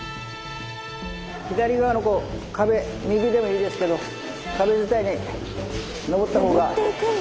左側の壁右でもいいですけど壁づたいに登ったほうが安全。